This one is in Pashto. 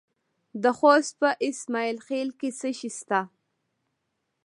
د خوست په اسماعیل خیل کې څه شی شته؟